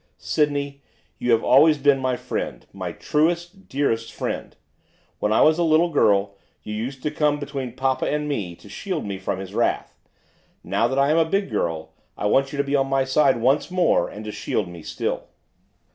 'Sydney, you have always been my friend, my truest, dearest friend. When I was a little girl you used to come between papa and me, to shield me from his wrath. Now that I am a big girl I want you to be on my side once more, and to shield me still.